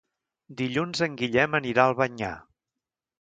Dilluns en Guillem anirà a Albanyà.